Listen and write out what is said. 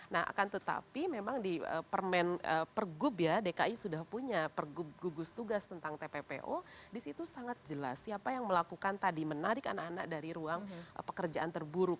nah akan tetapi memang di pergub ya dki sudah punya pergub gugus tugas tentang tppo disitu sangat jelas siapa yang melakukan tadi menarik anak anak dari ruang pekerjaan terburuk